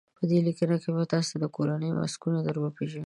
په دې لیکنه کې به تاسو ته کورني ماسکونه در وپېژنو.